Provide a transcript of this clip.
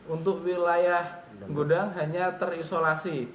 untuk wilayah gudang hanya terisolasi